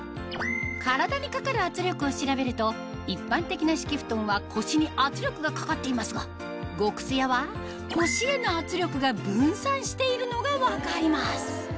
体にかかる圧力を調べると一般的な敷布団は腰に圧力がかかっていますが極すやは腰への圧力が分散しているのが分かります